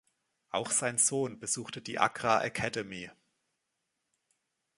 Auch sein Sohn besuchte die Accra Academy.